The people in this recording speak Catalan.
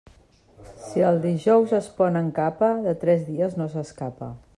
Si el dijous es pon amb capa, de tres dies no s'escapa.